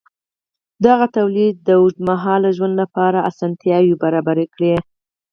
دغه تولید د اوږدمهاله ژوند لپاره اسانتیاوې برابرې کړې.